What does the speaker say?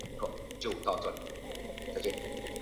塞坦地区索埃。